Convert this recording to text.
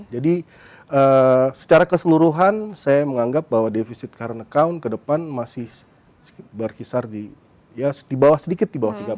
jadi secara keseluruhan saya menganggap bahwa defisit current account ke depan masih berkisar di bawah sedikit